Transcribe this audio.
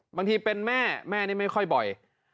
บางทีเป็นแม่แม่นี่ไม่ค่อยบ่อย